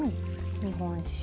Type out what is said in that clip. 日本酒。